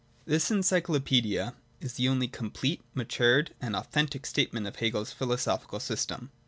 This Encyclopaedia is the only complete, matured, and authentic statement of Hegel's philosophical system.